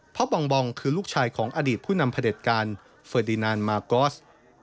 เพราะบองบองคือลูกชายของอดีตผู้นำพระเด็จการเฟอร์ดีนานมากอส